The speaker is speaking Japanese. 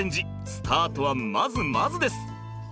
スタートはまずまずです。